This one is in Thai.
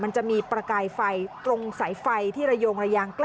มันจะมีประกายไฟตรงสายไฟที่ระโยงระยางใกล้